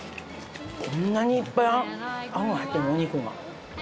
こんなにいっぱいあんが入ってるお肉が。